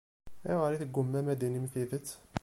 Ayɣer i teggummam ad d-tinim tidet?